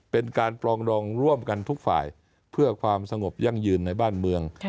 เป็นการปรองดองร่วมกันทุกฝ่ายเพื่อความสงบยั่งยืนในบ้านเมือง